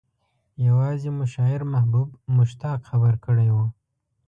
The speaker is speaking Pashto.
يوازې مو شاعر محبوب مشتاق خبر کړی و.